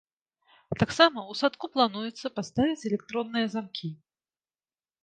Таксама ў садку плануецца паставіць электронныя замкі.